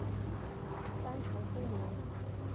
三陲黑岭。